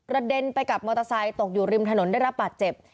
เด็นไปกับมอเตอร์ไซค์ตกอยู่ริมถนนได้รับบาดเจ็บ